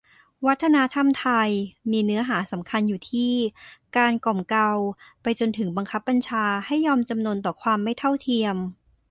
"วัฒนธรรมไทย" มีเนื้อหาสำคัญอยู่ที่การกล่อมเกลา ไปจนถึงบังคับบัญชาให้ยอมจำนนต่อความไม่เท่าเทียม